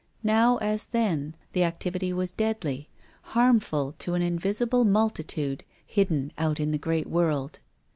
Now, as then, the activity was deadly, harmful to an invisible multitude, hidden out in the great world.